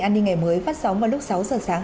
an ninh ngày mới phát sóng vào lúc sáu giờ sáng